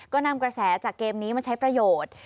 ก็นำกระแสจากเกมนี้มาใช้ประโยชน์